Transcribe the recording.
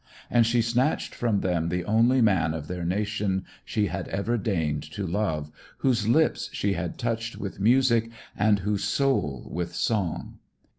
And she snatched from them the only man of their nation she had ever deigned to love, whose lips she had touched with music and whose soul with song.